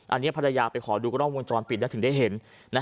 อันนี้ภรรยาไปขอดูกล้องวงจรปิดแล้วถึงได้เห็น